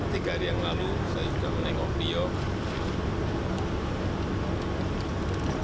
tiga hari yang lalu saya juga menengok beliau